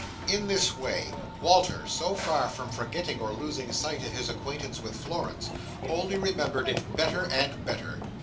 In this way, Walter, so far from forgetting or losing sight of his acquaintance with Florence, only remembered it better and better.